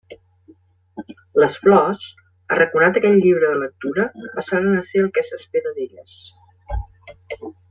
Les flors, arraconat aquell llibre de lectura, passaren a ser el que s'espera d'elles.